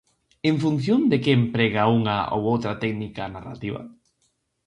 En función de que emprega unha ou outra técnica narrativa?